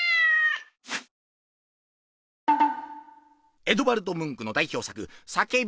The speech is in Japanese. エドヴァルド・ムンクの代表作「叫び」！